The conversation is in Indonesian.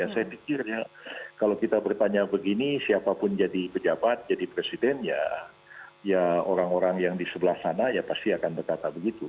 saya pikir kalau kita bertanya begini siapapun jadi pejabat jadi presiden ya orang orang yang di sebelah sana ya pasti akan berkata begitu